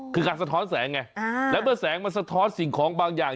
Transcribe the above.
คือการสะท้อนแสงไงแล้วเมื่อแสงมันสะท้อนสิ่งของบางอย่าง